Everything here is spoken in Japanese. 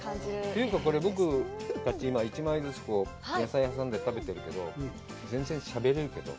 というか僕たち、１枚ずつ野菜を挟んで食べてるけど、全然しゃべれるけど。